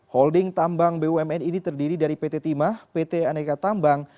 holding tambang bumn ini terdiri dari pt timah pt aneka tambang